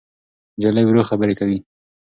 نجلۍ ورو خبرې کوي.